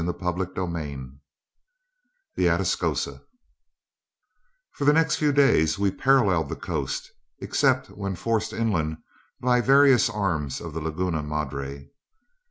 CHAPTER IV THE ATASCOSA For the next few days we paralleled the coast, except when forced inland by various arms of the Laguna Madre.